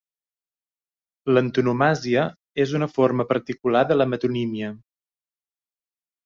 L'antonomàsia és una forma particular de la metonímia.